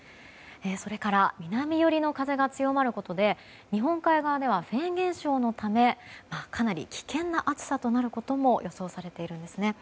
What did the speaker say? それから南寄りの風が強まることで日本海側ではフェーン現象のためかなり危険な暑さとなることも予想されているんです。